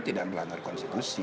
tidak melanggar konstitusi